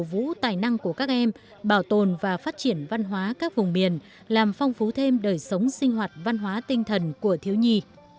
cổ vũ tài năng của các em bảo tồn và phát triển văn hóa các vùng miền làm phong phú thêm đời sống sinh hoạt văn hóa tinh thần của thiếu nhi